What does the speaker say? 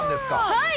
はい！